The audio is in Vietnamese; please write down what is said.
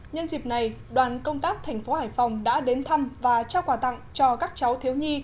nhân dịp này đoàn công tác thành phố hải phòng đã đến thăm và trao quà tặng cho các cháu thiếu nhi